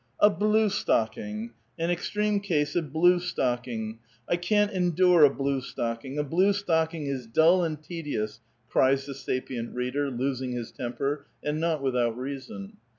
''A BLUE stocking! an extreme case of blue stocking! I can't endure a blue slocking. A blue stocking is dull and tedious !" cries the sapient reader, losing his temper, and not without reason.